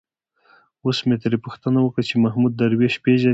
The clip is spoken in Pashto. اوس مې ترې پوښتنه وکړه چې محمود درویش پېژني.